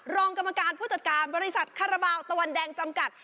รองกรรมการผู้จัดการบริษัทคาราบาลตะวันแดงจำกัด